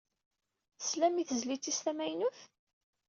Teslam i tezlit-is tamaynut?